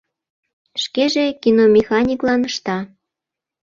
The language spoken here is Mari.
— Шкеже киномеханиклан ышта.